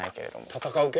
戦う系？